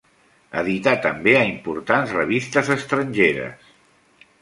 Edità també a importants revistes estrangeres.